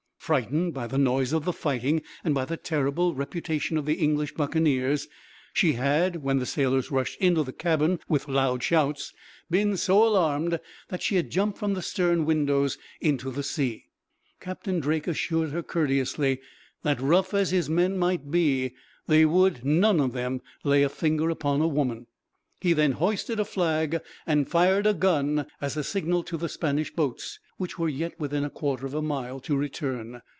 Frightened by the noise of the fighting, and by the terrible reputation of the English buccaneers, she had, when the sailors rushed into the cabin with loud shouts, been so alarmed that she had jumped from the stern windows into the sea. Captain Drake assured her courteously that, rough as his men might be, they would, none of them, lay a finger upon a woman. He then hoisted a flag and fired a gun, as a signal to the Spanish boats, which were yet within a quarter of a mile, to return.